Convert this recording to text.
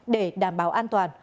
để đảm bảo an toàn